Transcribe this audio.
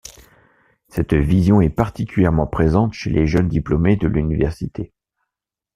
Cette vision est particulièrement présente chez les jeunes diplômés de l'université.